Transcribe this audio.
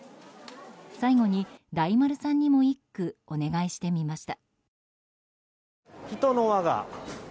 最後に、大丸さんにも一句お願いしてみました。